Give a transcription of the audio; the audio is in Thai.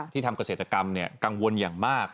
ทำเกษตรกรรมกังวลอย่างมาก